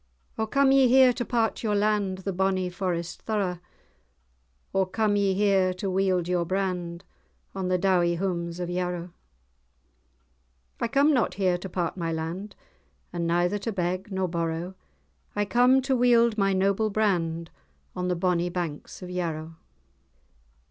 "O come ye here to part your land, The bonnie forest thorough? Or come ye here to wield your brand, On the dowie houms of Yarrow?" "I come not here to part my land, And neither to beg nor borrow, I come to wield my noble brand On the bonnie banks of Yarrow.